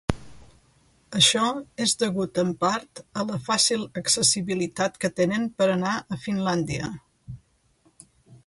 Això és degut, en part, a la fàcil accessibilitat que tenen per anar a Finlàndia.